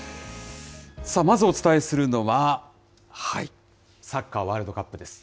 まずお伝えするのは、サッカーワールドカップです。